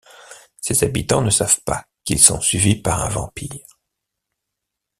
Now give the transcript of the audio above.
Ses habitants ne savent pas qu'ils sont suivis par un vampire.